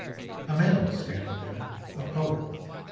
A man was standing there, a poet.